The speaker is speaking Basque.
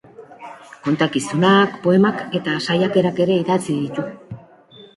Kontakizunak, poemak eta saiakerak ere idatzi ditu.